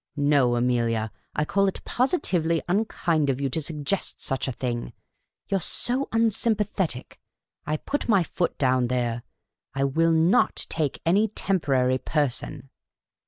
No, Amelia, I call it positively unkind of you to suggest such a thing. You 're so unsympathetic ! I put my foot down there. I will Jioi take any temporary person."